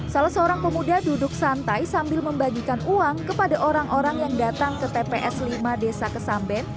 salah seorang pemuda duduk santai sambil membagikan uang kepada orang orang yang datang ke tps lima desa kesamben